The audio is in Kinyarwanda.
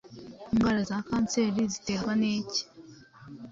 indwara za kanseri ziterwa nicyi